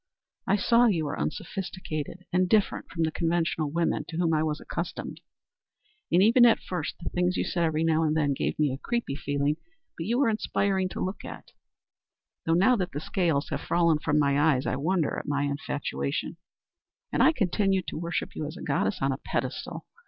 I saw you were unsophisticated and different from the conventional women to whom I was accustomed, and, even at first, the things you said every now and then gave me a creepy feeling, but you were inspiring to look at though now that the scales have fallen from my eyes I wonder at my infatuation and I continued to worship you as a goddess on a pedestal.